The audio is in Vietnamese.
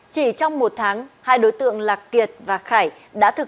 chỉ trong một tháng hai đối tượng lạc kiệt và khổng minh trí đã trả tiền